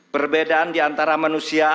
perbedaan di antara manusia